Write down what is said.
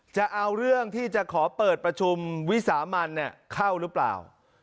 จะเอาเรื่องที่จะขอเปิดประชุมวิสามันเข้าหรือเปล่า